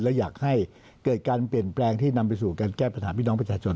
และอยากให้เกิดการเปลี่ยนแปลงที่นำไปสู่การแก้ปัญหาพี่น้องประชาชน